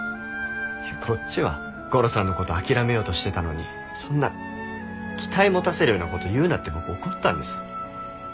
こっちはゴロさんの事諦めようとしてたのにそんな期待持たせるような事言うなって僕怒ったんです。